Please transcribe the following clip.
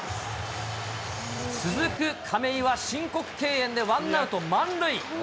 続く亀井は、申告敬遠でワンアウト満塁。